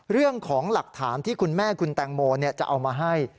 เรื่องของหลักฐานที่คุณแม่คุณแตงโมจะเอามาให้